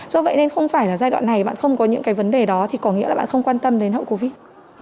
do vậy nên không phải là giai đoạn này bạn không có những cái vấn đề đó thì có nghĩa là bạn không quan tâm đến hậu covid